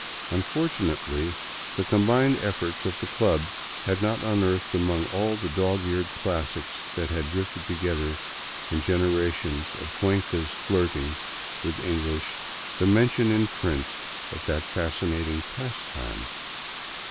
Unfortunately, the combined efforts of the club had not unearthed among all the dog eared classics that had drifted together in genera tions of Cuenca's flirting with EngHsh the mention in print of that fascinating pastime.